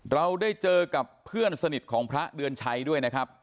เราได้เจอกับเพื่อนสนิทของพระเดือนชัยด้วยนะครับ